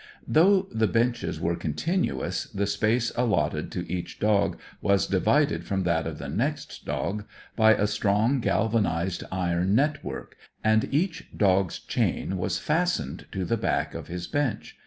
Though the benches were continuous, the space allotted to each dog was divided from that of the next dog by a strong galvanized iron net work, and each dog's chain was fastened to the back of his bench.